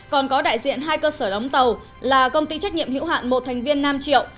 còn có đại diện hai cơ sở đóng tàu là công ty trách nhiệm hữu hạn một thành viên nam triệu